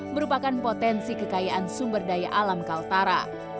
merupakan potensi kekayaan sumber daya alam kaltara